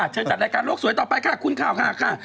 เชิญจัดรายการโลกสวยต่อไปค่ะคุณข่าวค่ะ